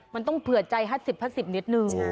มันต้องเผื่อใจ๕๐๕๐นิดนึง